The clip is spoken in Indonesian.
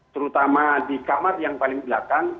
terutama di kamar yang paling belakang